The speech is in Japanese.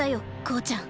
向ちゃん。